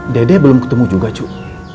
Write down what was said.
dede belum ketemu juga cuk